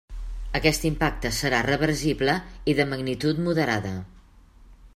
Aquest impacte serà reversible i de magnitud moderada.